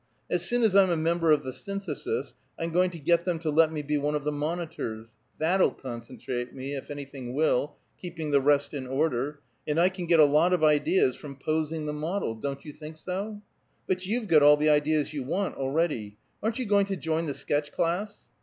As soon as I'm a member of the Synthesis I'm going to get them to let me be one of the monitors: that'll concentrate me, if anything will, keeping the rest in order, and I can get a lot of ideas from posing the model; don't you think so? But you've got all the ideas you want, already. Aren't you going to join the sketch class?"